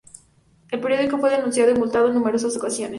El periódico fue denunciado y multado en numerosas ocasiones.